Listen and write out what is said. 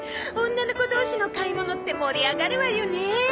女の子同士の買い物って盛り上がるわよねえ。